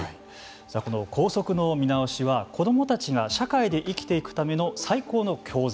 この校則の見直しは子どもたちが社会で生きていくための最高の教材。